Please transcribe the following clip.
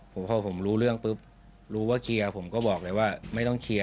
พอผมรู้เรื่องปุ๊บรู้ว่าเคลียร์ผมก็บอกเลยว่าไม่ต้องเคลียร์